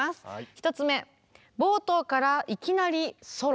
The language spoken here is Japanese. １つ目「冒頭からいきなりソロ」。